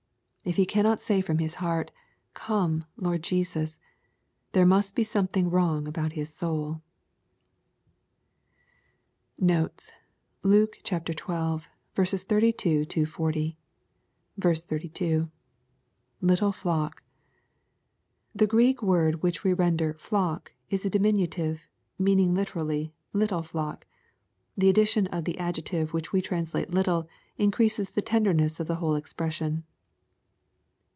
If he cannot say from his heart, " Come, Lord Jesus," there must be something wrong about his soul. iToTES. Luke XII. 32 — iO. 32. — [LitUe flock.] The Greek word which we render *' flock," is a diminulive, meaning literally *' little flock." The addition of the adjective which we translate "little," increases the terderuess of the whole expression.